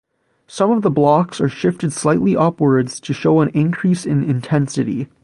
Some of the blocks are shifted slightly upwards to show an increase in intensity.